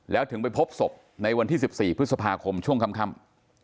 แล้วถึงไปพบศพในวันที่๑๔พฤษภาคมช่วงค่ำ